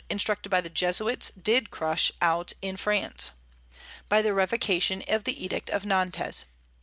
instructed by the Jesuits, did crush out in France, by the revocation of the Edict of Nantes.